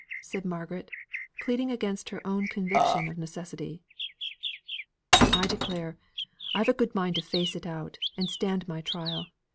said Margaret, pleading against her own conviction of necessity. "I declare, I've a good mind to face it out, and stand my trial.